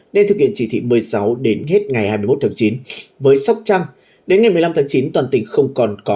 nên thực hiện chỉ thí một mươi sáu đến hết ngày hai mươi một tháng chín